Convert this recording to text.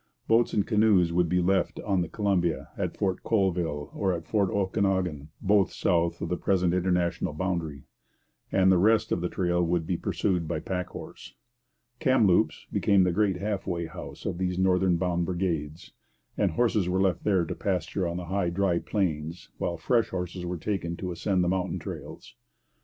Boats and canoes would be left on the Columbia at Fort Colville or at Fort Okanagan (both south of the present international boundary), and the rest of the trail would be pursued by pack horse. Kamloops became the great half way house of these north bound brigades; and horses were left there to pasture on the high, dry plains, while fresh horses were taken to ascend the mountain trails.